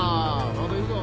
またいくぞ。